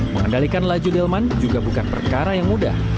mengendalikan laju delman juga bukan perkara yang mudah